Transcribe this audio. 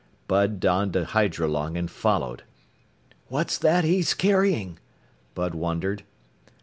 Bud donned a hydrolung and followed. "What's that he's carrying?" Bud wondered.